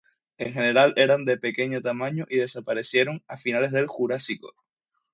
En general eran de pequeño tamaño y desaparecieron a finales de Jurásico.